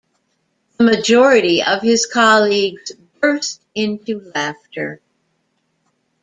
The majority of his colleagues burst into laughter.